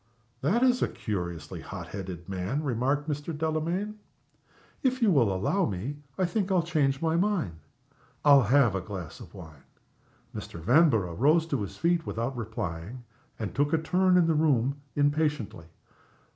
"That is a curiously hot headed man," remarked Mr. Delamayn. "If you will allow me, I think I'll change my mind. I'll have a glass of wine." Mr. Vanborough rose to his feet without replying, and took a turn in the room impatiently.